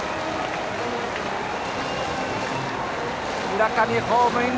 村上、ホームイン。